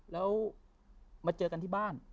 แล้วมาเจอกันที่บ้าน